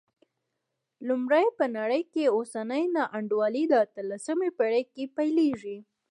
لومړی، په نړۍ کې اوسنۍ نا انډولي د اتلسمې پېړۍ کې پیلېږي.